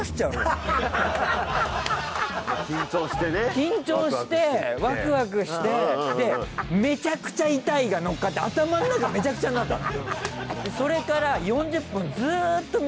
緊張してワクワクしてでめちゃくちゃ痛いがのっかって頭の中めちゃくちゃになったの。